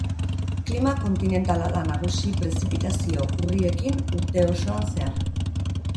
Klima kontinentala da nagusi prezipitazio urriekin urte osoan zehar.